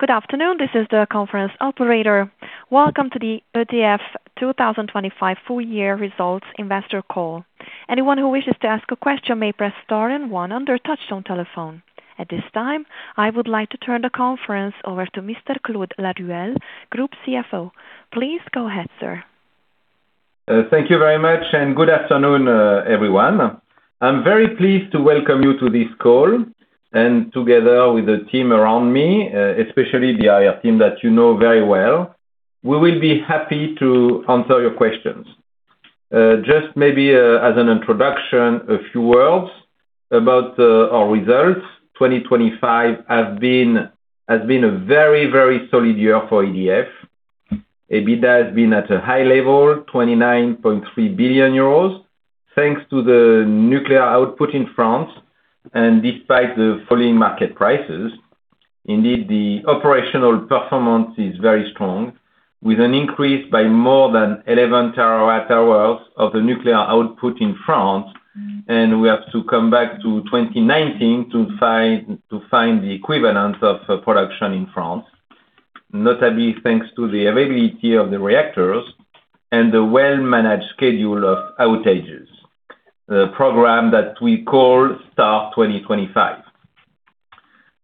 Good afternoon, this is the conference operator. Welcome to the EDF 2025 full year results investor call. Anyone who wishes to ask a question may press star and one on their touchtone telephone. At this time, I would like to turn the conference over to Mr. Claude Laruelle, Group CFO. Please go ahead, sir. Thank you very much, and good afternoon, everyone. I'm very pleased to welcome you to this call, and together with the team around me, especially the IR team that you know very well, we will be happy to answer your questions. Just maybe, as an introduction, a few words about our results. 2025 has been a very, very solid year for EDF. EBITDA has been at a high level, 29.3 billion euros, thanks to the nuclear output in France and despite the falling market prices. Indeed, the operational performance is very strong, with an increase by more than 11 TWh of the nuclear output in France, and we have to come back to 2019 to find the equivalent of production in France. Notably, thanks to the availability of the reactors and the well-managed schedule of outages, program that we call START 2025.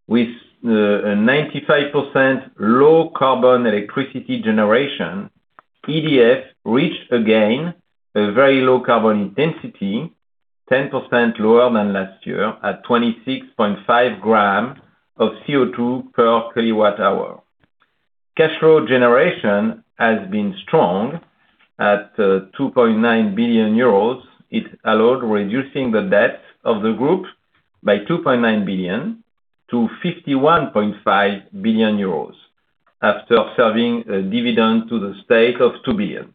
With a 95% low carbon electricity generation, EDF reached again a very low carbon intensity, 10% lower than last year, at 26.5 g CO2 per kWh. Cash flow generation has been strong at 2.9 billion euros. It allowed reducing the debt of the group by 2.9 billion to 51.5 billion euros after serving a dividend to the State of 2 billion.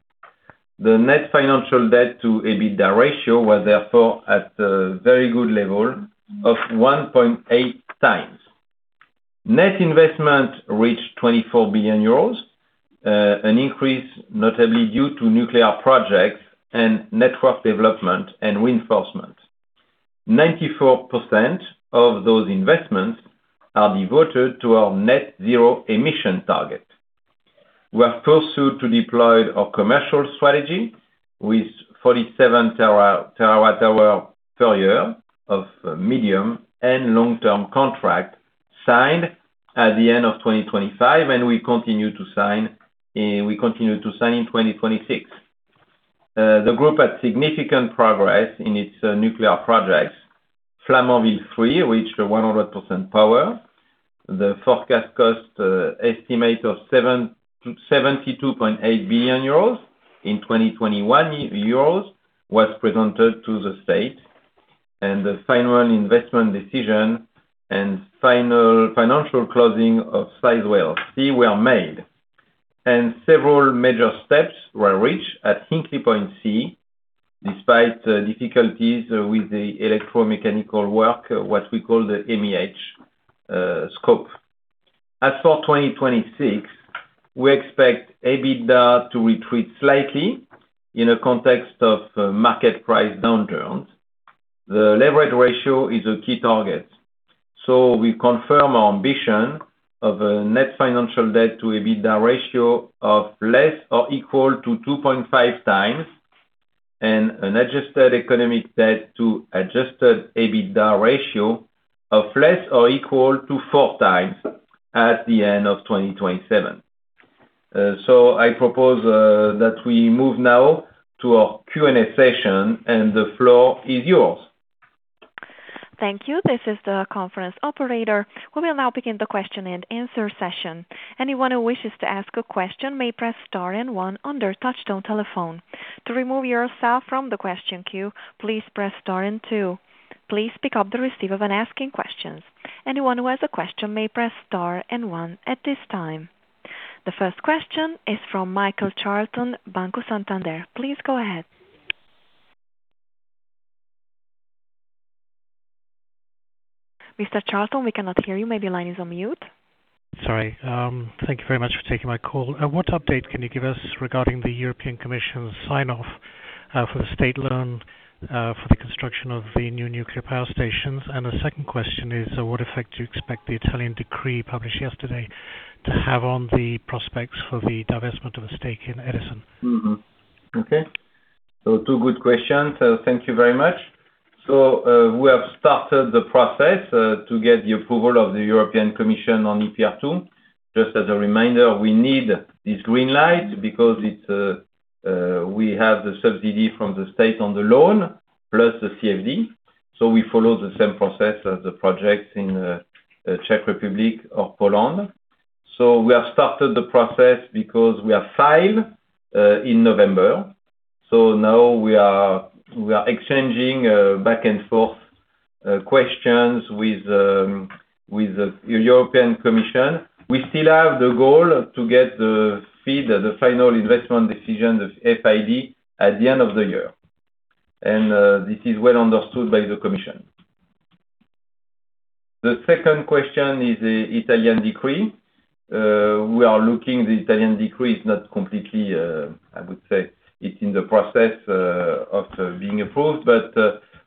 The net financial debt to EBITDA ratio was therefore at a very good level of 1.8 times. Net investment reached 24 billion euros, an increase notably due to nuclear projects and network development and reinforcement. 94% of those investments are devoted to our net zero emission target. We have pursued to deploy our commercial strategy with 47 terawatt hour per year of medium and long-term contract signed at the end of 2025, and we continue to sign in 2026. The group had significant progress in its nuclear projects. Flamanville 3 reached 100% power. The forecast cost estimate of 72.8 billion euros in 2021 euros was presented to the State, and the final investment decision and final financial closing of Sizewell C were made. Several major steps were reached at Hinkley Point C, despite difficulties with the electromechanical work, what we call the MEH scope. As for 2026, we expect EBITDA to retreat slightly in a context of market price downturns. The leverage ratio is a key target, so we confirm our ambition of a net financial debt to EBITDA ratio of less or equal to 2.5 times, and an adjusted economic debt to adjusted EBITDA ratio of less or equal to 4 times at the end of 2027. So I propose that we move now to our Q&A session, and the floor is yours. Thank you. This is the conference operator. We will now begin the question and answer session. Anyone who wishes to ask a question may press star and one on their touchtone telephone. To remove yourself from the question queue, please press star and two. Please pick up the receiver when asking questions. Anyone who has a question may press star and one at this time. The first question is from Michael Charlton, Banco Santander. Please go ahead. Mr. Charlton, we cannot hear you. Maybe the line is on mute. Sorry. Thank you very much for taking my call. What update can you give us regarding the European Commission's sign-off for the State loan for the construction of the new nuclear power stations? And the second question is, what effect do you expect the Italian decree published yesterday to have on the prospects for the divestment of a stake in Edison? Mm-hmm. Okay. So two good questions. Thank you very much. So we have started the process to get the approval of the European Commission on EPR2. Just as a reminder, we need this green light because it's we have the subsidy from the State on the loan, plus the CFD. So we follow the same process as the projects in Czech Republic or Poland. So we have started the process because we have filed in November. So now we are exchanging back and forth questions with the European Commission. We still have the goal to get the FID, the final investment decision, the FID, at the end of the year. And this is well understood by the commission. The second question is the Italian decree. We are looking, the Italian decree is not completely, I would say, it's in the process of being approved, but,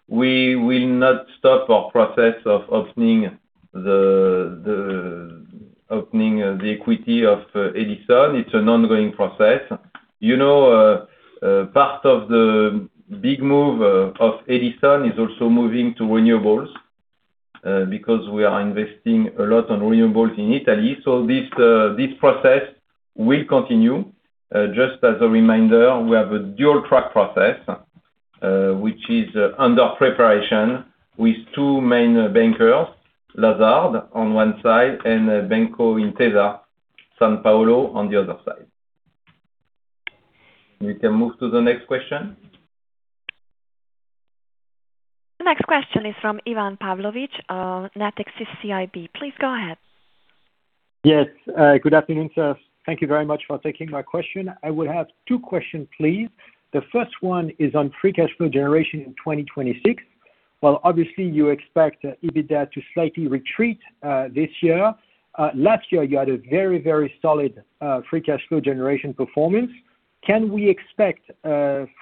we will not stop our process of opening the equity of Edison. It's an ongoing process. You know, part of the big move of Edison is also moving to renewables, because we are investing a lot on renewables in Italy. So this process will continue. Just as a reminder, we have a dual track process, which is under preparation with two main bankers, Lazard on one side and Banco Intesa Sanpaolo on the other side. We can move to the next question. The next question is from Ivan Pavlovic, Natixis CIB. Please go ahead. Yes. Good afternoon, sir. Thank you very much for taking my question. I would have two questions, please. The first one is on free cash flow generation in 2026. While obviously you expect EBITDA to slightly retreat this year, last year you had a very, very solid free cash flow generation performance. Can we expect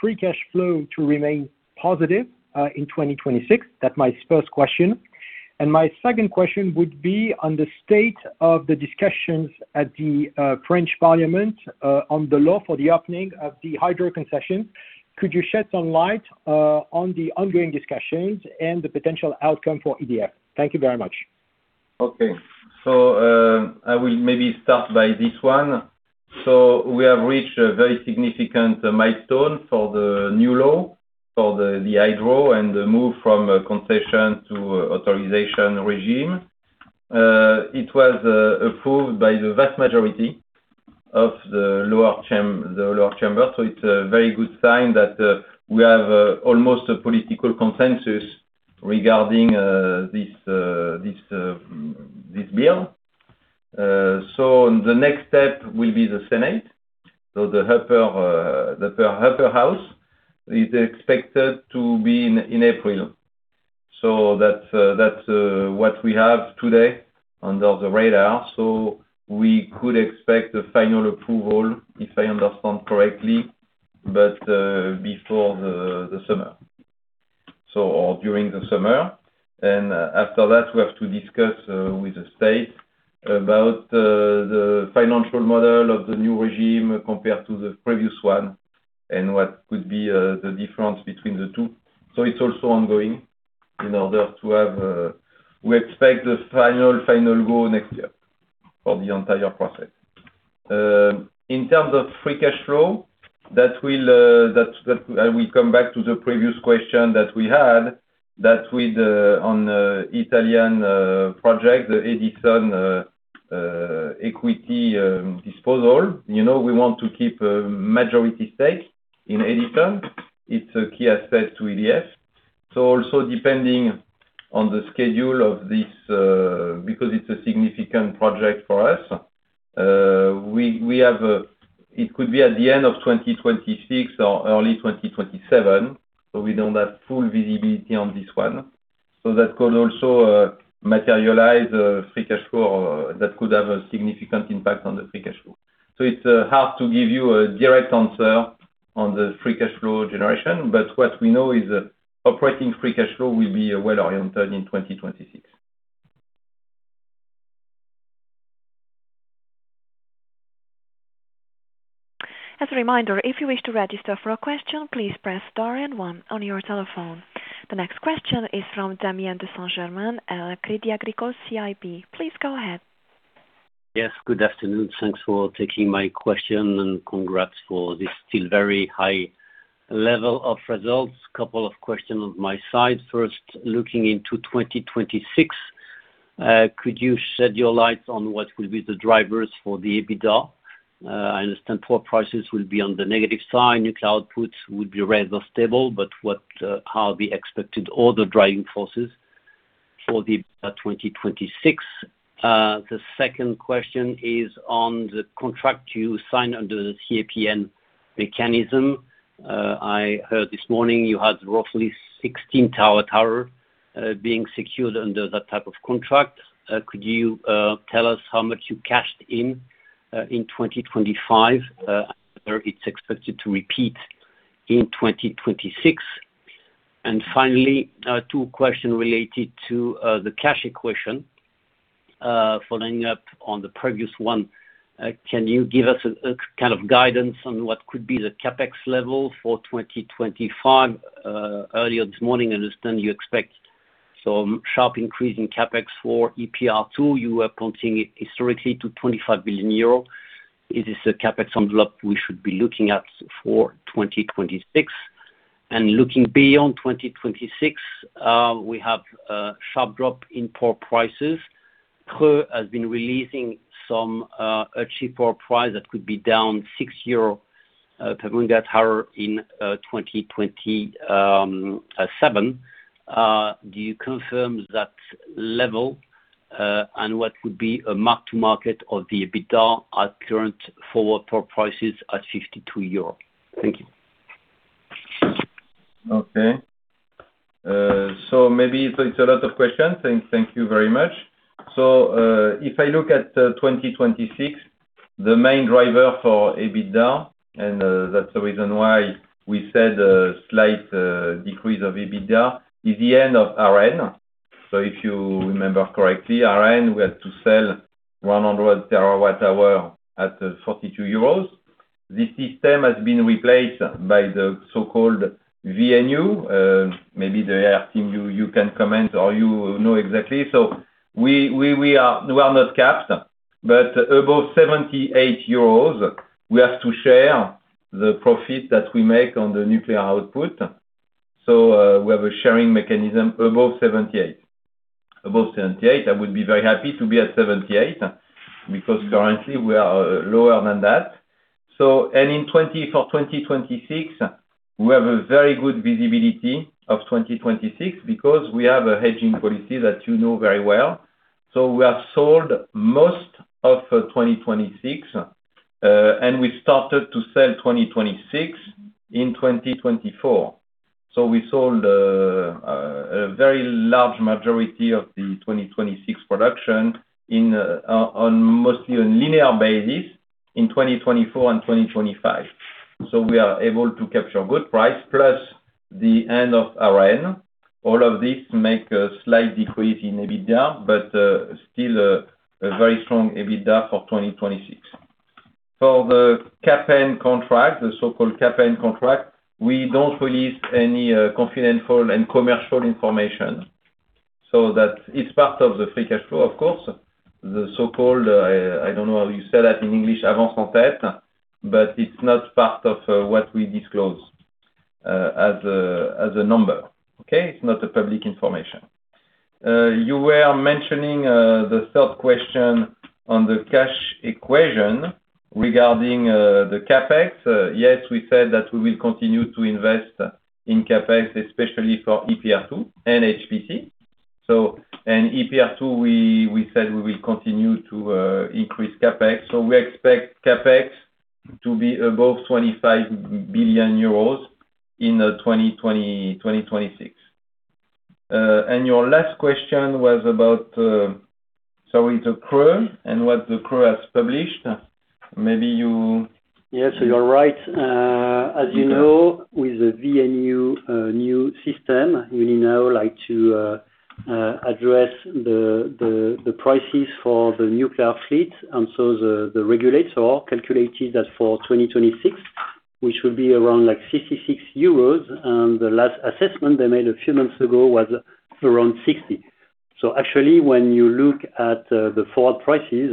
free cash flow to remain positive in 2026? That's my first question. My second question would be on the state of the discussions at the French Parliament on the law for the opening of the hydro concession. Could you shed some light on the ongoing discussions and the potential outcome for EDF? Thank you very much. Okay. So, I will maybe start by this one. So we have reached a very significant milestone for the new law, for the hydro and the move from a concession to authorization regime. It was approved by the vast majority of the lower chamber, so it's a very good sign that we have almost a political consensus regarding this bill. So the next step will be the Senate. So the upper house is expected to be in April. So that's what we have today under the radar, so we could expect a final approval, if I understand correctly, but before the summer, so, or during the summer. After that, we have to discuss with the state about the financial model of the new regime compared to the previous one and what could be the difference between the two. So it's also ongoing in order to have we expect the final go next year for the entire process. In terms of free cash flow, that will that I will come back to the previous question that we had, that with on the Italian project, the Edison equity disposal, you know, we want to keep a majority stake in Edison. It's a key asset to EDF. So also depending on the schedule of this, because it's a significant project for us, we, we have, it could be at the end of 2026 or early 2027, so we don't have full visibility on this one. So that could also materialize free cash flow, or that could have a significant impact on the free cash flow. So it's hard to give you a direct answer on the free cash flow generation, but what we know is that operating free cash flow will be well-oriented in 2026. As a reminder, if you wish to register for a question, please press star and one on your telephone. The next question is from Damien de Saint-Germain at Crédit Agricole CIB. Please go ahead. Yes, good afternoon. Thanks for taking my question, and congrats for this still very high level of results. Couple of questions on my side. First, looking into 2026, could you shed some light on what will be the drivers for the EBITDA? I understand power prices will be on the negative side, nuclear outputs would be rather stable, but what are the expected other driving forces for the 2026? The second question is on the contract you signed under the CAPN mechanism. I heard this morning you had roughly 16 TWh being secured under that type of contract. Could you tell us how much you cashed in in 2025? Whether it's expected to repeat in 2026. And finally, two questions related to the cash equation, following up on the previous one. Can you give us a kind of guidance on what could be the CapEx level for 2025? Earlier this morning, I understand you expect some sharp increase in CapEx for EPR2, you were counting historically to 25 billion euro. Is this a CapEx envelope we should be looking at for 2026? And looking beyond 2026, we have a sharp drop in power prices. CRE has been releasing some a cheaper price that could be down 6 euro per MWh in 2027. Do you confirm that level, and what would be a mark-to-market of the EBITDA at current forward power prices at 52 euro? Thank you. Okay. So maybe so it's a lot of questions. Thank you very much. So, if I look at 2026, the main driver for EBITDA, and that's the reason why we said a slight decrease of EBITDA, is the end of ARENH. So if you remember correctly, ARENH, we had to sell 100 TWh at 42 euros. This system has been replaced by the so-called VNU. Maybe the team, you can comment or you know exactly. So we are not capped, but above 78 euros, we have to share the profit that we make on the nuclear output. So, we have a sharing mechanism above 78. Above 78. I would be very happy to be at 78, because currently we are lower than that. And in 2024 for 2026, we have a very good visibility of 2026 because we have a hedging policy that you know very well. So we have sold most of 2026, and we started to sell 2026 in 2024. So we sold a very large majority of the 2026 production in, on mostly linear basis in 2024 and 2025. So we are able to capture good price plus the end of ARENH. All of this makes a slight decrease in EBITDA, but still a very strong EBITDA for 2026. For the CAPN contract, the so-called CAPN contract, we don't release any confidential and commercial information. So that is part of the free cash flow, of course, the so-called, I don't know how you say that in English, advance on head, but it's not part of what we disclose as a number. Okay? It's not a public information. You were mentioning the third question on the cash equation regarding the CapEx. Yes, we said that we will continue to invest in CapEx, especially for EPR2 and HPC. So and EPR2, we said we will continue to increase CapEx. So we expect CapEx to be above 25 billion euros in 2020-2026. And your last question was about, sorry, the CRE and what the CRE has published. Maybe you- Yeah, so you're right. As you know, with the VNU new system, we now like to address the prices for the nuclear fleet, and so the regulators all calculated that for 2026, which will be around like 66 euros, and the last assessment they made a few months ago was around 60 EUR. So actually, when you look at the forward prices,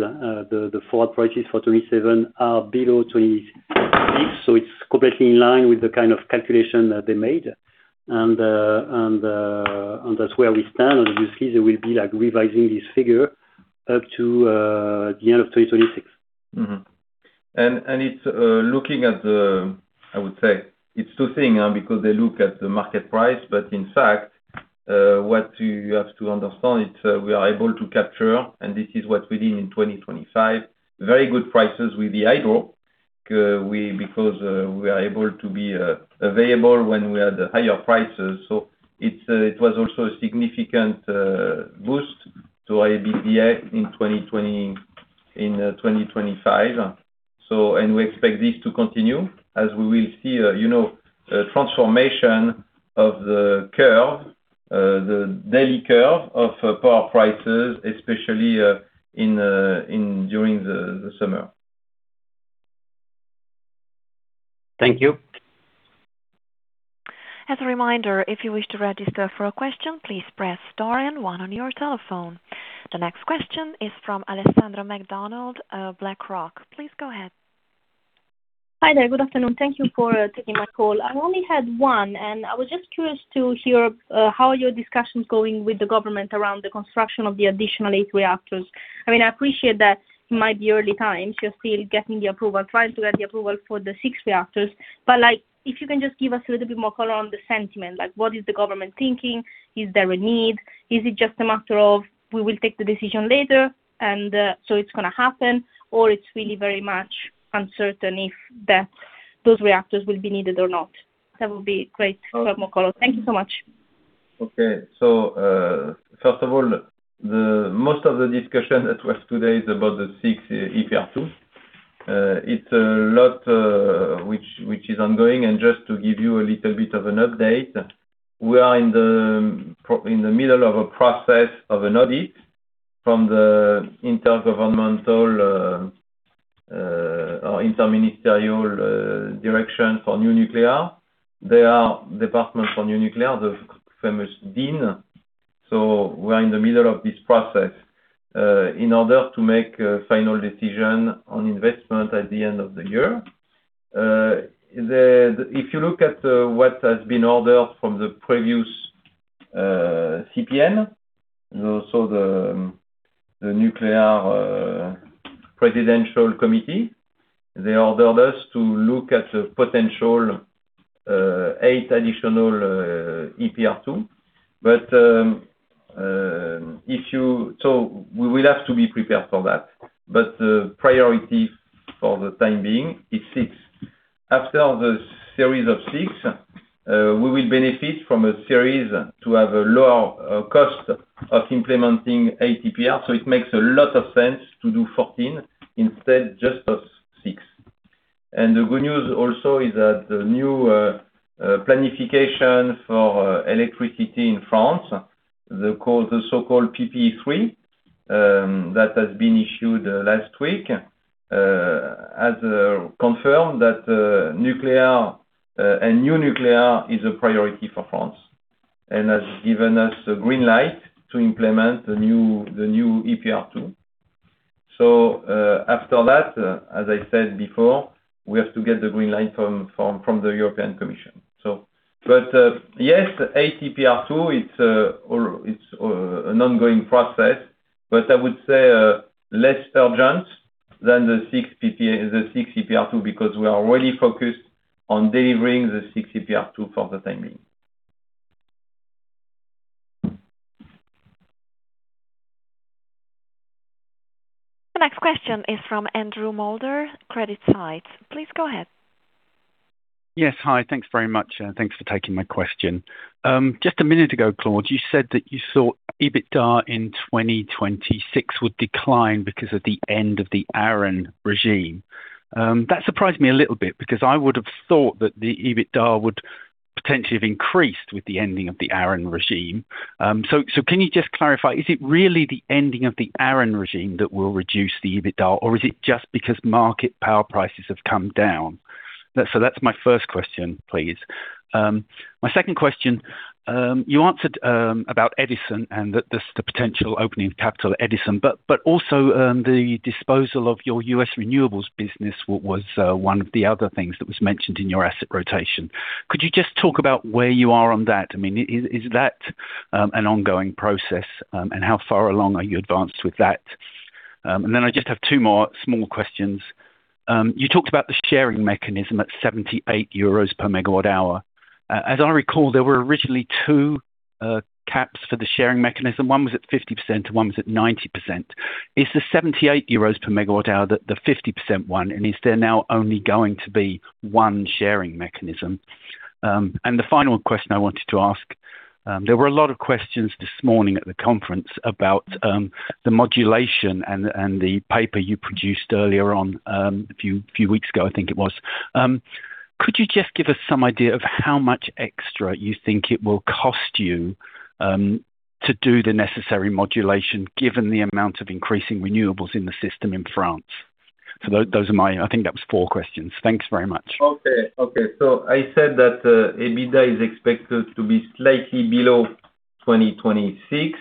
the forward prices for 2027 are below 2026. So it's completely in line with the kind of calculation that they made. And that's where we stand, and you see they will be like revising this figure up to the end of 2026. Mm-hmm. And, and it's looking at the... I would say it's two things, because they look at the market price, but in fact, what you have to understand is, we are able to capture, and this is what we did in 2025, very good prices with the hydro. Because, we are able to be available when we had higher prices. So it's, it was also a significant boost to EBITDA in 2020, in 2025. So and we expect this to continue as we will see, you know, a transformation of the curve, the daily curve of power prices, especially, in, in during the summer. Thank you. As a reminder, if you wish to register for a question, please press star and one on your telephone. The next question is from Alessandra Mac Donald, BlackRock. Please go ahead. Hi there. Good afternoon. Thank you for taking my call. I only had one, and I was just curious to hear how are your discussions going with the government around the construction of the additional eight reactors? I mean, I appreciate that it might be early times. You're still getting the approval, trying to get the approval for the six reactors. But, like, if you can just give us a little bit more color on the sentiment, like, what is the government thinking? Is there a need? Is it just a matter of we will take the decision later and so it's gonna happen, or it's really very much uncertain if that, those reactors will be needed or not? That would be great to have more color. Thank you so much. Okay. So, first of all, the most of the discussion that we have today is about the six EPR2. It's a lot, which is ongoing. And just to give you a little bit of an update, we are in the middle of a process of an audit from the intergovernmental or Interministerial Direction for New Nuclear. They are departments on new nuclear, the famous DINN. So we're in the middle of this process, in order to make a final decision on investment at the end of the year. If you look at what has been ordered from the previous CPN, also the Nuclear Presidential Committee, they ordered us to look at the potential eight additional EPR2. But, so we will have to be prepared for that. But the priority for the time being is six. After the series of six, we will benefit from a series to have a lower, cost of implementing eight EPR. So it makes a lot of sense to do 14 instead just of six.... And the good news also is that the new, planification for electricity in France, the so-called PPE3, that has been issued last week, has, confirmed that, nuclear, and new nuclear is a priority for France, and has given us a green light to implement the new, the new EPR2. So, after that, as I said before, we have to get the green light from, from, from the European Commission. Yes, EPR2 it's, or it's, an ongoing process, but I would say, less urgent than the six PPA, the six EPR2, because we are already focused on delivering the six EPR2 for the timing. The next question is from Andrew Moulder, CreditSights. Please go ahead. Yes. Hi. Thanks very much, and thanks for taking my question. Just a minute ago, Claude, you said that you thought EBITDA in 2026 would decline because of the end of the ARENH regime. That surprised me a little bit because I would have thought that the EBITDA would potentially have increased with the ending of the ARENH regime. So, so can you just clarify, is it really the ending of the ARENH regime that will reduce the EBITDA, or is it just because market power prices have come down? So that's my first question, please. My second question, you answered, about Edison and the potential opening of capital at Edison, but also, the disposal of your U.S. renewables business was, one of the other things that was mentioned in your asset rotation. Could you just talk about where you are on that? I mean, is that an ongoing process, and how far along are you advanced with that? And then I just have two more small questions. You talked about the sharing mechanism at 78 EUR/MWh. As I recall, there were originally two caps for the sharing mechanism. One was at 50% and one was at 90%. Is the 78 EUR/MWh the 50% one, and is there now only going to be one sharing mechanism? And the final question I wanted to ask, there were a lot of questions this morning at the conference about the modulation and the paper you produced earlier on a few weeks ago, I think it was. Could you just give us some idea of how much extra you think it will cost you, to do the necessary modulation, given the amount of increasing renewables in the system in France? So those are my... I think that was four questions. Thanks very much. Okay. Okay. So I said that EBITDA is expected to be slightly below 2026.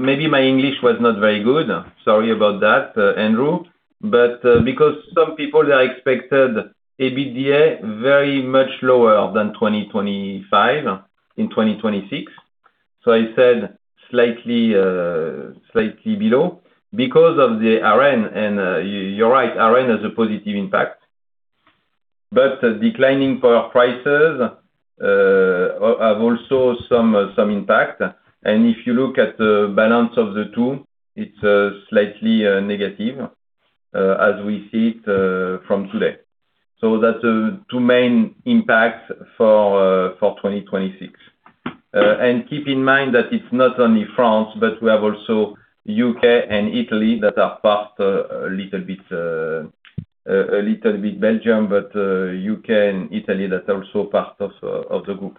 Maybe my English was not very good. Sorry about that, Andrew, but because some people, they expected EBITDA very much lower than 2025 in 2026. So I said, slightly, slightly below because of the ARENH, and you're right, ARENH has a positive impact. But declining power prices have also some impact. And if you look at the balance of the two, it's slightly negative, as we see it from today. So that's the two main impacts for 2026. And keep in mind that it's not only France, but we have also U.K. and Italy that are part, a little bit Belgium, but U.K. and Italy, that are also part of the group.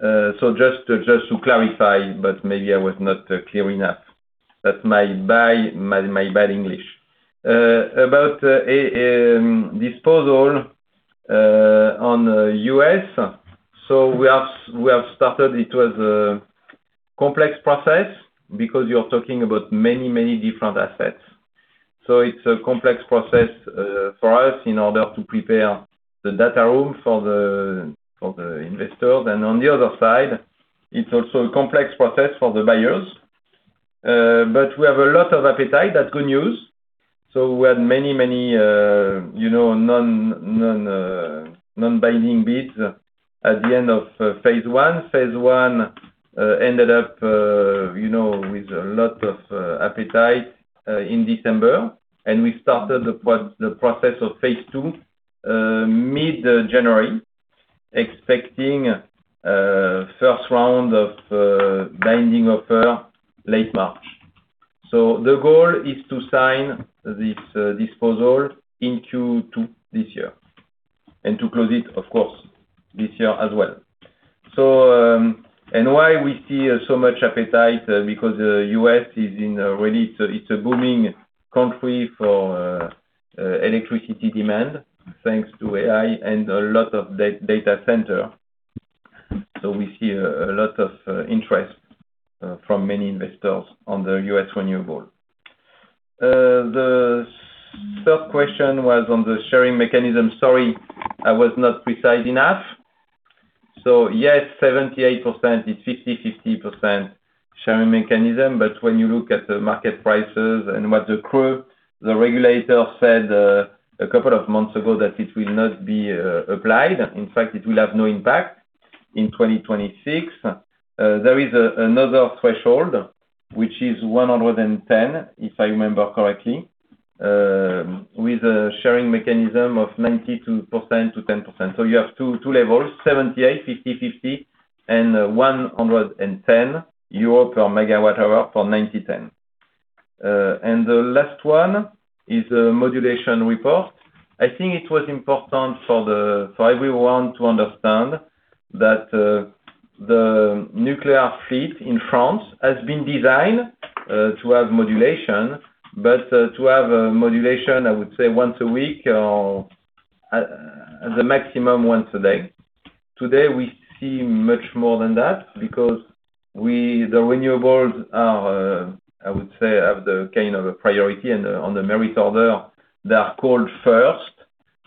So just, just to clarify, but maybe I was not clear enough. That's my bad, my bad English. About disposal on U.S., so we have, we have started. It was a complex process because you're talking about many, many different assets. So it's a complex process for us in order to prepare the data room for the investors. And on the other side, it's also a complex process for the buyers. But we have a lot of appetite. That's good news. So we had many, many, you know, non-binding bids at the end of phase one. Phase one ended up, you know, with a lot of appetite in December, and we started the process of phase two mid-January, expecting a first round of binding offer late March. So the goal is to sign this disposal in Q2 this year and to close it, of course, this year as well. So, and why we see so much appetite, because the U.S. is in a really—it's a booming country for electricity demand, thanks to AI and a lot of data center. So we see a lot of interest from many investors on the U.S. renewable. The third question was on the sharing mechanism. Sorry, I was not precise enough. So yes, 78 EUR/MWh is 50/50 sharing mechanism, but when you look at the market prices and what the CRE, the regulator said a couple of months ago, that it will not be applied, in fact, it will have no impact in 2026. There is another threshold, which is 110, if I remember correctly, with a sharing mechanism of 90% to 10%. So you have two levels, 78, 50/50... and 110 EUR/MWh for 90/10. And the last one is a modulation report. I think it was important for everyone to understand that the nuclear fleet in France has been designed to have modulation, but to have a modulation, I would say, once a week or at the maximum once a day. Today, we see much more than that, because we the renewables are, I would say, have the kind of a priority and on the merit order, they are called first,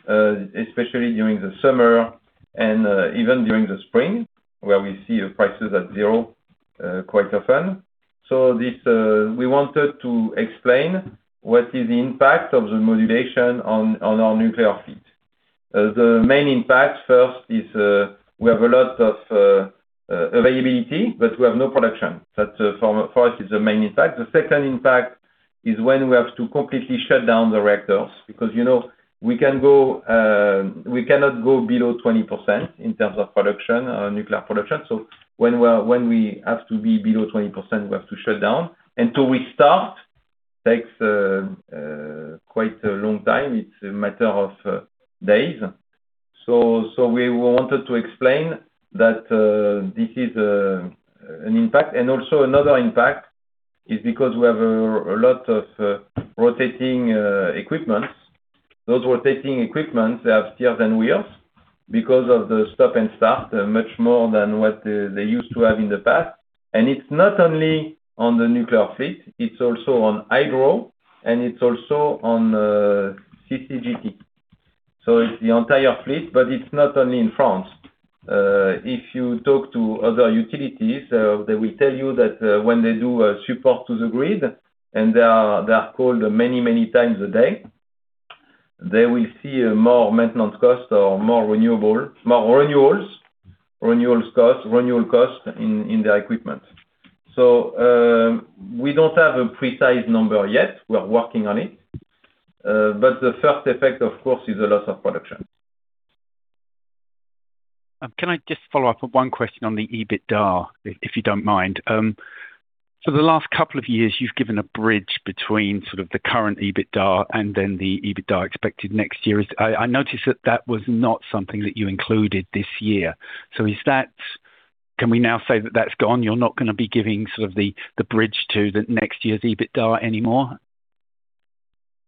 especially during the summer and even during the spring, where we see prices at 0, quite often. So this, we wanted to explain what is the impact of the modulation on our nuclear fleet. The main impact first is, we have a lot of availability, but we have no production. That, for us, is the main impact. The second impact is when we have to completely shut down the reactors, because, you know, we can go, we cannot go below 20% in terms of production, nuclear production. So when we are, when we have to be below 20%, we have to shut down, until we start, it takes quite a long time. It's a matter of days. So we wanted to explain that this is an impact. And also another impact is because we have a lot of rotating equipment. Those rotating equipment, they have steers and wheels, because of the stop and start much more than what they used to have in the past. And it's not only on the nuclear fleet, it's also on hydro, and it's also on CCGT. So it's the entire fleet, but it's not only in France. If you talk to other utilities, they will tell you that, when they do a support to the grid, and they are called many times a day, they will see more maintenance costs or more renewable, more renewals, renewal costs in their equipment. So, we don't have a precise number yet. We are working on it. But the first effect, of course, is a loss of production. Can I just follow up with one question on the EBITDA, if you don't mind? So the last couple of years, you've given a bridge between sort of the current EBITDA and then the EBITDA expected next year. I noticed that that was not something that you included this year. So is that... Can we now say that that's gone? You're not gonna be giving sort of the bridge to the next year's EBITDA anymore?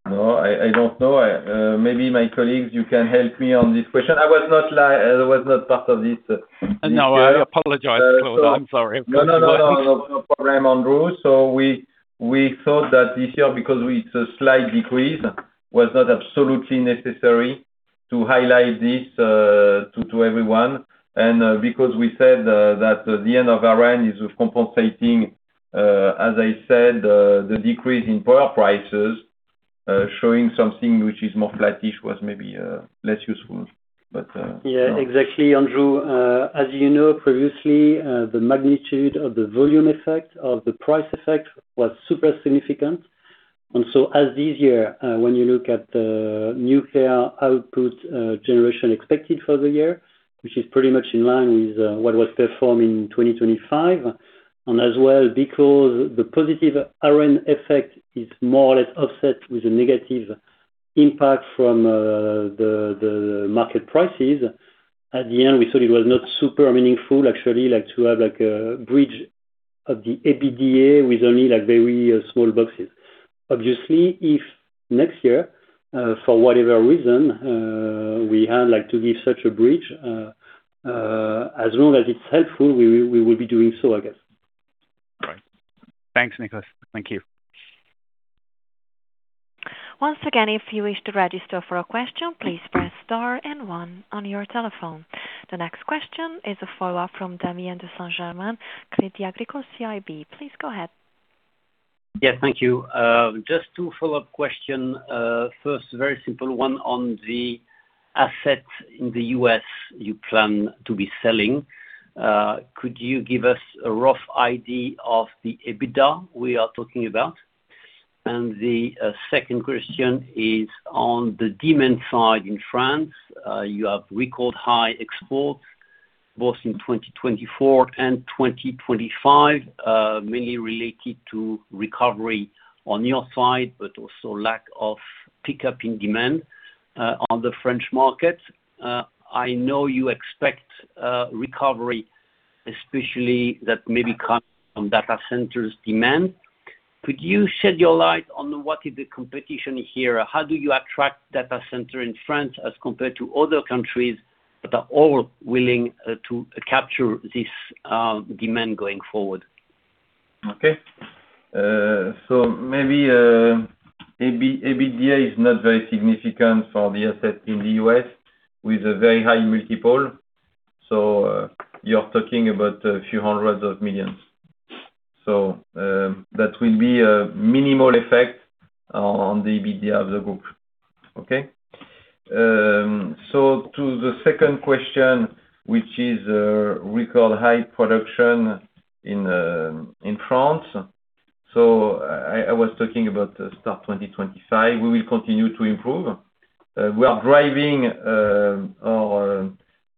No, I don't know. Maybe my colleagues can help me on this question. I was not like—I was not part of this year. No, I apologize, Claude. I'm sorry. No problem, Andrew. We thought that this year, because it's a slight decrease, was not absolutely necessary to highlight this to everyone. Because we said that the end of our ARENH is compensating, as I said, the decrease in power prices, showing something which is more flattish was maybe less useful, but Yeah, exactly, Andrew. As you know, previously, the magnitude of the volume effect of the price effect was super significant. And so as this year, when you look at the nuclear output, generation expected for the year, which is pretty much in line with what was performed in 2025, and as well, because the positive ARENH effect is more or less offset with a negative impact from the market prices. At the end, we thought it was not super meaningful, actually, like, to have, like, a bridge of the EBITDA with only, like, very small boxes. Obviously, if next year, for whatever reason, we had like to give such a bridge, as long as it's helpful, we will be doing so, I guess. Right. Thanks, Nicholas. Thank you. Once again, if you wish to register for a question, please press star and one on your telephone. The next question is a follow-up from Damien de Saint Germain, Crédit Agricole CIB. Please go ahead. Yes, thank you. Just two follow-up question. First, very simple one on the assets in the U.S., you plan to be selling. Could you give us a rough idea of the EBITDA we are talking about? And the second question is on the demand side in France. You have record high exports, both in 2024 and 2025, mainly related to recovery on your side, but also lack of pickup in demand on the French market. I know you expect a recovery, especially that maybe come from data centers' demand. Could you shed your light on what is the competition here? How do you attract data center in France as compared to other countries that are all willing to capture this demand going forward? Okay. So maybe, EBITDA is not very significant for the asset in the U.S., with a very high multiple. So, you're talking about a few hundred million. So, that will be a minimal effect on the EBITDA of the group. Okay? So to the second question, which is record high production in France. So I was talking about the Star 2025, we will continue to improve. We are driving our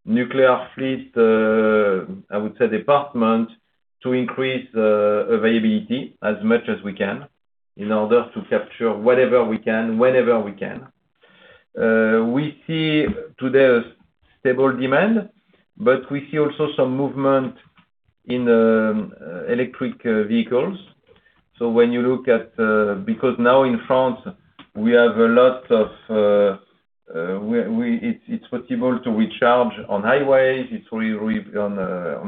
nuclear fleet, I would say department, to increase availability as much as we can in order to capture whatever we can, whenever we can. We see today a stable demand, but we see also some movement in electric vehicles. So when you look at, because now in France, we have a lot of, it's possible to recharge on highways, it's on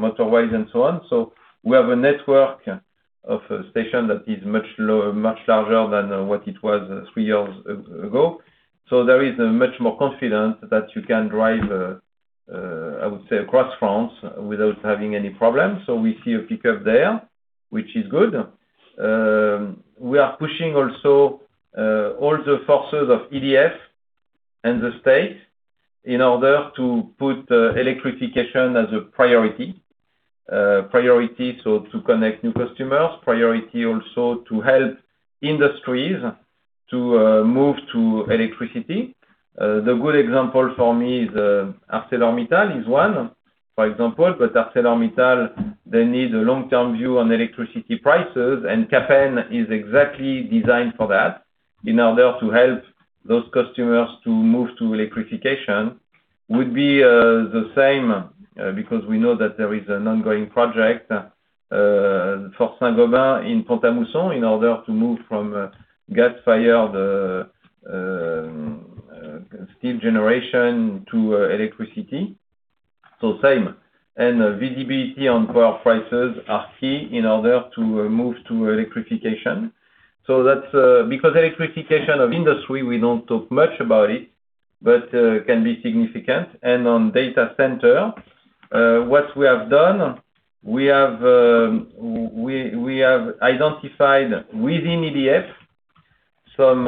motorways, and so on. So we have a network of station that is much larger than what it was three years ago. So there is a much more confidence that you can drive, I would say, across France without having any problems. So we see a pickup there, which is good. We are pushing also all the forces of EDF and the State in order to put electrification as a priority. Priority, so to connect new customers, priority also to help industries to move to electricity. The good example for me is ArcelorMittal is one, for example, but ArcelorMittal, they need a long-term view on electricity prices, and CAPN is exactly designed for that, in order to help those customers to move to electrification. Would be the same, because we know that there is an ongoing project for Saint-Gobain in Pont-à-Mousson, in order to move from gas-fired steam generation to electricity. So same. And visibility on power prices are key in order to move to electrification. So that's because electrification of industry, we don't talk much about it, but can be significant. And on data center, what we have done, we have identified within EDF some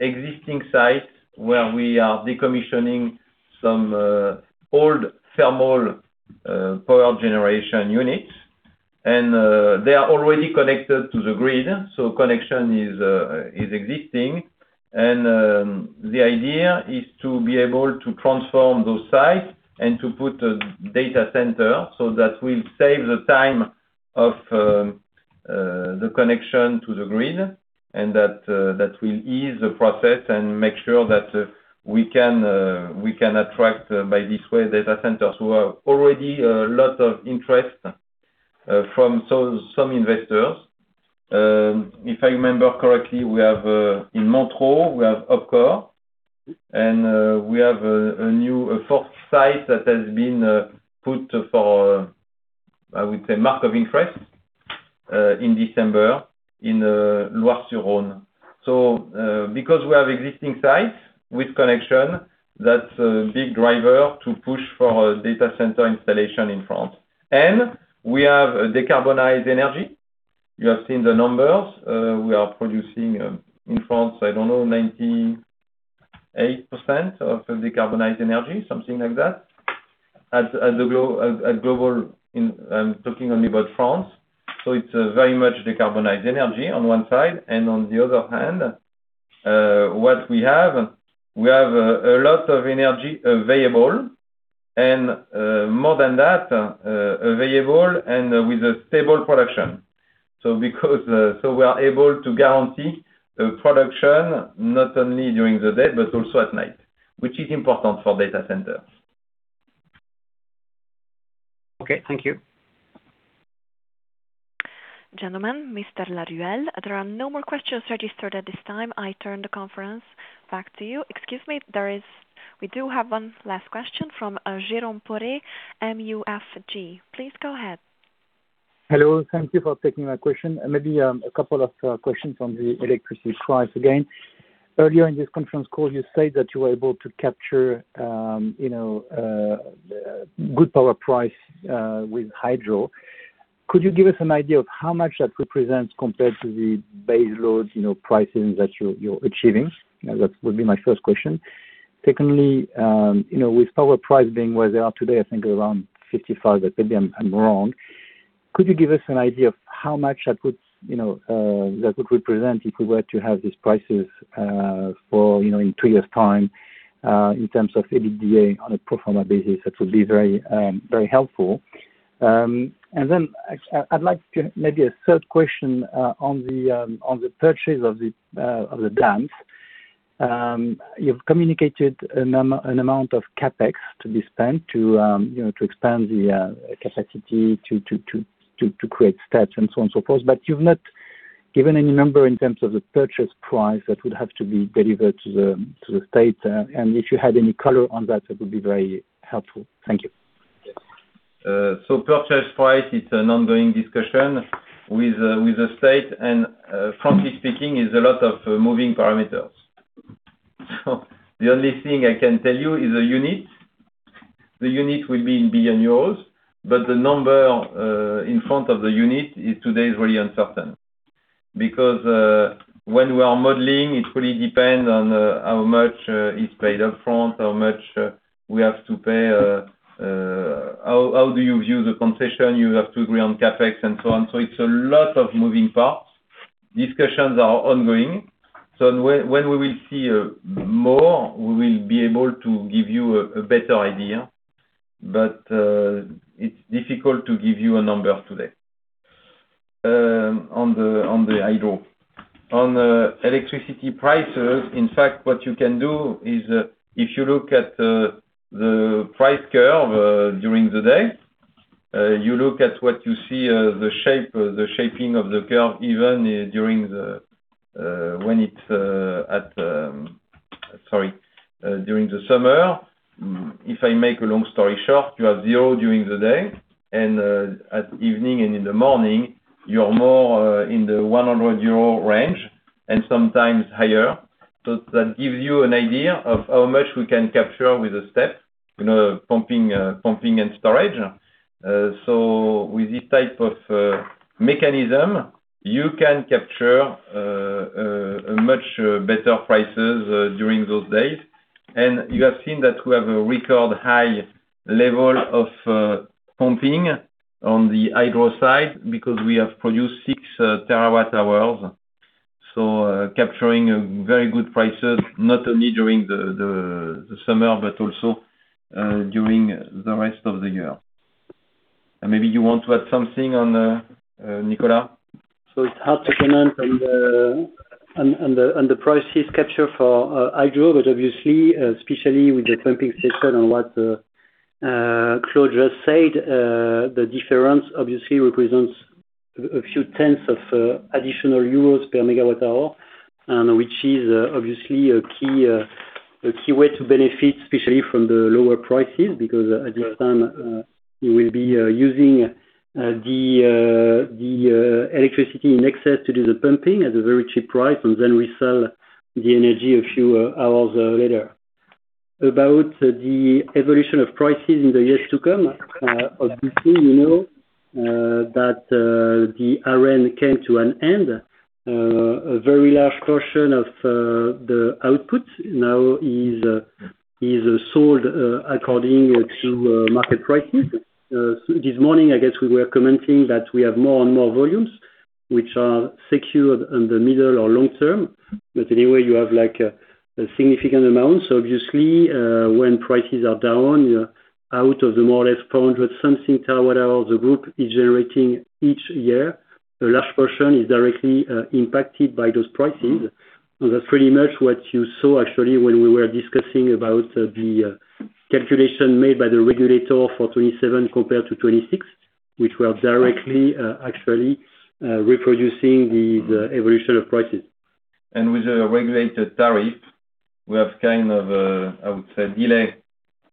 existing sites where we are decommissioning some old thermal power generation units. They are already connected to the grid, so connection is existing. The idea is to be able to transform those sites and to put a data center, so that will save the time of the connection to the grid, and that will ease the process and make sure that we can attract, by this way, data centers. We have already a lot of interest from some investors. If I remember correctly, we have in Montereau we have OpCo and we have a new, a fourth site that has been put for, I would say, market of interest in December, in Loire-sur-Rhône. Because we have existing sites with connection, that's a big driver to push for a data center installation in France. We have a decarbonized energy. You have seen the numbers. We are producing, in France, I don't know, 98% of decarbonized energy, something like that. I'm talking only about France. So it's very much decarbonized energy on one side, and on the other hand, what we have, we have a lot of energy available, and more than that, available and with a stable production. So because, so we are able to guarantee the production, not only during the day, but also at night, which is important for data centers. Okay, thank you. Gentlemen, Mr. Laruelle, there are no more questions registered at this time. I turn the conference back to you. Excuse me, there is. We do have one last question from Jerome Poret, MUFG. Please go ahead. Hello. Thank you for taking my question. Maybe, a couple of questions on the electricity price again. Earlier in this conference call, you said that you were able to capture, you know, good power price, with hydro. Could you give us an idea of how much that represents compared to the base load, you know, prices that you're, you're achieving? That would be my first question. Secondly, you know, with power price being where they are today, I think around 55, maybe I'm, I'm wrong. Could you give us an idea of how much that would, you know, that would represent if we were to have these prices, for, you know, in two years' time, in terms of EBITDA on a pro forma basis? That would be very, very helpful. And then I'd, I'd like to... Maybe a third question, on the purchase of the dams. You've communicated an amount of CapEx to be spent to, you know, to expand the capacity, to create stats and so on, so forth. But you've not given any number in terms of the purchase price that would have to be delivered to the State. And if you had any color on that, it would be very helpful. Thank you. So purchase price is an ongoing discussion with the State, and, frankly speaking, is a lot of moving parameters. So the only thing I can tell you is the unit. The unit will be in billion euros, but the number in front of the unit is today is really uncertain. Because, when we are modeling, it really depends on, how much is paid up front, how much we have to pay, how do you view the concession? You have to agree on CapEx and so on. So it's a lot of moving parts. Discussions are ongoing, so when we will see more, we will be able to give you a better idea. But, it's difficult to give you a number today, on the hydro. On the electricity prices, in fact, what you can do is, if you look at the price curve during the day, you look at what you see, the shape, the shaping of the curve, even during the summer, if I make a long story short, you have 0 during the day, and at evening and in the morning, you're more in the 100 euro range and sometimes higher. So that gives you an idea of how much we can capture with the step, you know, pumping, pumping and storage. So with this type of mechanism, you can capture a much better prices during those days. And you have seen that we have a record high level of pumping on the hydro side, because we have produced 6 terawatt hours. So, capturing very good prices, not only during the summer, but also during the rest of the year. And maybe you want to add something on, Nicolas? So it's hard to comment on the prices capture for hydro, but obviously, especially with the pumping system and what Claude just said, the difference obviously represents a few tenths of additional EUR per megawatt hour, which is obviously a key way to benefit, especially from the lower prices. Because at this time, you will be using the electricity in excess to do the pumping at a very cheap price, and then resell the energy a few hours later. About the evolution of prices in the years to come, obviously, you know, that the ARENH came to an end. A very large portion of the output now is sold according to market prices. So this morning, I guess we were commenting that we have more and more volumes, which are secured in the middle or long term, but anyway, you have, like, a significant amount. So obviously, when prices are down, you're out of the more or less 400-something terawatt hour, the group is generating each year. The large portion is directly impacted by those prices. And that's pretty much what you saw actually, when we were discussing about the calculation made by the regulator for 2027 compared to 2026, which were directly actually reproducing the evolution of prices. With a regulated tariff, we have kind of a, I would say, delay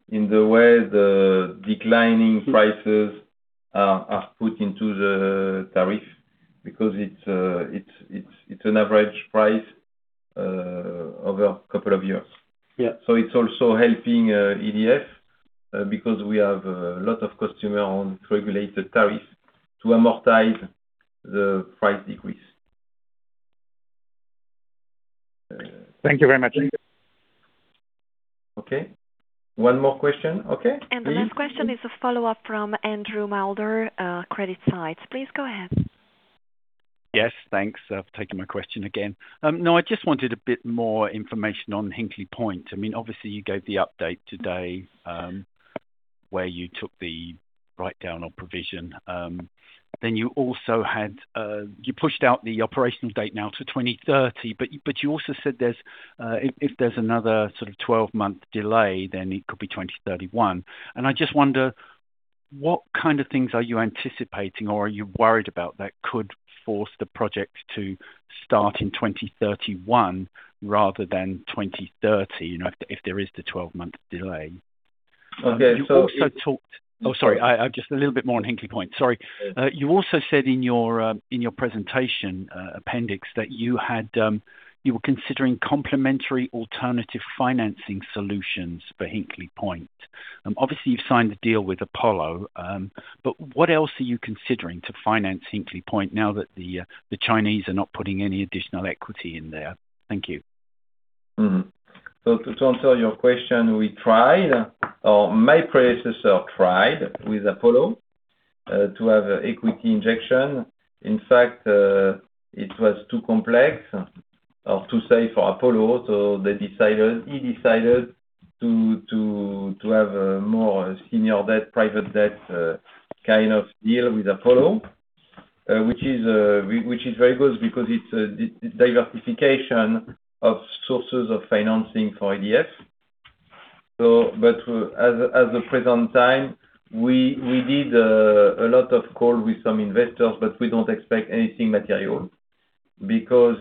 in the way the declining prices are put into the tariff, because it's an average price over a couple of years. Yeah. It's also helping EDF because we have a lot of customer on regulated tariff to amortize the price decrease. Thank you very much. Okay. One more question. Okay. The last question is a follow-up from Andrew Moulder, CreditSights. Please go ahead. Yes, thanks. I've taken my question again. No, I just wanted a bit more information on Hinkley Point. I mean, obviously, you gave the update today, where you took the write-down on provision. Then you also had. You pushed out the operational date now to 2030, but you also said there's, if there's another sort of 12-month delay, then it could be 2031. And I just wonder, what kind of things are you anticipating or are you worried about that could force the project to start in 2031 rather than 2030, you know, if there is the 12-month delay? Okay, so You also talked... Oh, sorry, just a little bit more on Hinkley Point. Sorry. You also said in your, in your presentation, appendix, that you had, you were considering complementary alternative financing solutions for Hinkley Point. Obviously, you've signed a deal with Apollo, but what else are you considering to finance Hinkley Point now that the, the Chinese are not putting any additional equity in there? Thank you. Mm-hmm. So to answer your question, we tried, or my predecessor tried with Apollo, to have equity injection. In fact, it was too complex or too safe for Apollo, so they decided—he decided to have a more senior debt, private debt kind of deal with Apollo. Which is very good because it's a diversification of sources of financing for EDF. So, but at the present time, we did a lot of call with some investors, but we don't expect anything material because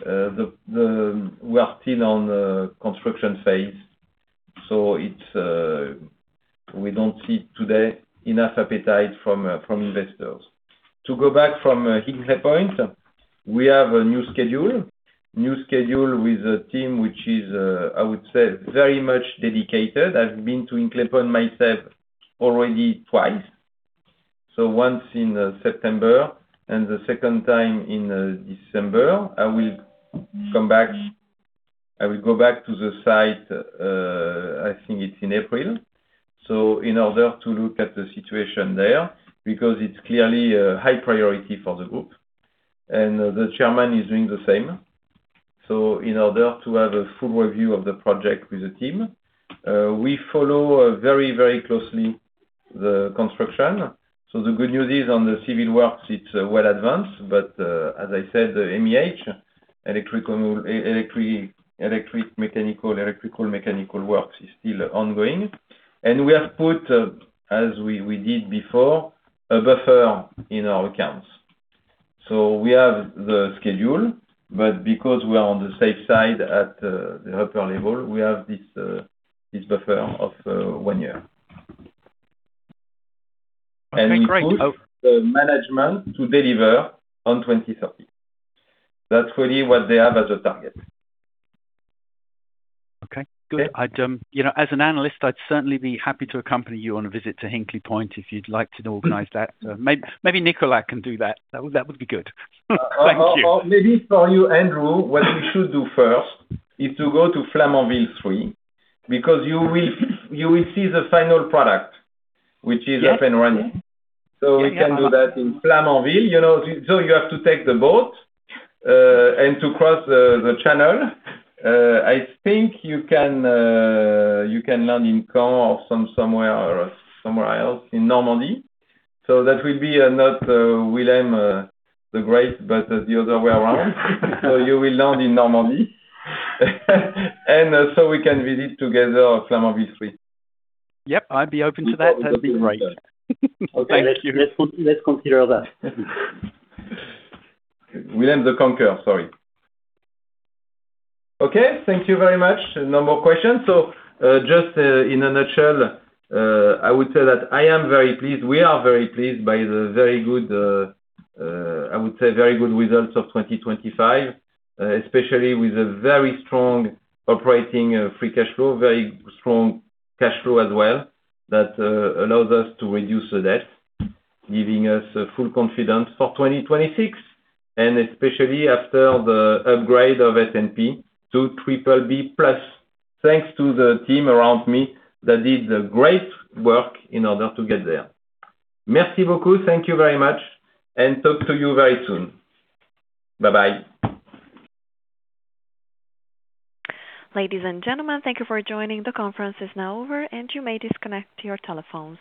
we are still on the construction phase, so we don't see today enough appetite from investors. To go back from Hinkley Point, we have a new schedule. New schedule with a team which is, I would say, very much dedicated. I've been to Hinkley Point myself already twice. Once in September and the second time in December, I will go back to the site, I think it's in April. So in order to look at the situation there, because it's clearly a high priority for the group, and the chairman is doing the same. So in order to have a full review of the project with the team, we follow very, very closely the construction. So the good news is on the civil works, it's well advanced, but as I said, the MEH, electrical, electric, mechanical, electrical, mechanical works is still ongoing. And we have put, as we did before, a buffer in our accounts. We have the schedule, but because we are on the safe side, at the upper level, we have this buffer of one year. Okay, great. We put the management to deliver on 2030. That's really what they have as a target. Okay, good. I'd. You know, as an analyst, I'd certainly be happy to accompany you on a visit to Hinkley Point, if you'd like to organize that. So maybe Nicola can do that. That would, that would be good. Thank you. Maybe for you, Andrew, what you should do first is to go to Flamanville 3, because you will see the final product, which is up and running. Yes. So we can do that in Flamanville, you know, so you have to take the boat and to cross the channel. I think you can land in Caen or somewhere else in Normandy. So that will be not William the Great, but the other way around. So you will land in Normandy, and so we can visit together Flamanville 3. Yep, I'd be open to that. That'd be great. Thank you. Let's consider that. William the Conqueror, sorry. Okay, thank you very much. No more questions. So, just, in a nutshell, I would say that I am very pleased, we are very pleased by the very good, I would say very good results of 2025. Especially with a very strong operating, free cash flow, very strong cash flow as well, that, allows us to reduce the debt, giving us a full confidence for 2026, and especially after the upgrade of S&P to BBB+. Thanks to the team around me that did great work in order to get there. Merci beaucoup. Thank you very much, and talk to you very soon. Bye-bye. Ladies and gentlemen, thank you for joining. The conference is now over, and you may disconnect your telephones.